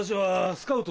スカウト？